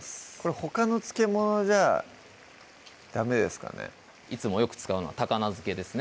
ほかの漬け物じゃダメですかねいつもよく使うのは高菜漬けですね